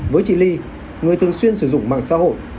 với chị ly người thường xuyên sử dụng mạng xã hội